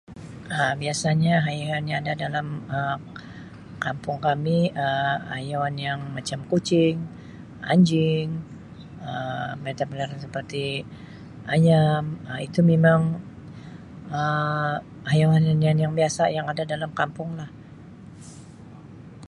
Um Biasanya haiwan yang ada dalam Um kampun kami Um haiwan yang macam kucing, anjing Um, bertempiaran seperti ayam Um itu memang Um haiwan-haiwanan yang biasa yang ada dalam kampung lah.